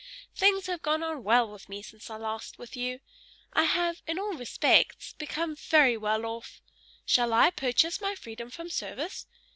Things have gone on well with me since I was last with you. I have, in all respects, become very well off. Shall I purchase my freedom from service?